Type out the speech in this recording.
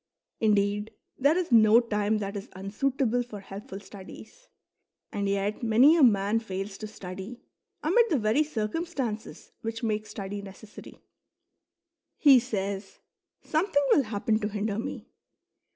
Indeed, there is no time that is unsuitable for helpful studies ; and yet many a man fails to study amid the very circumstances which make study necessary. He says :" Something will happen to hinder me."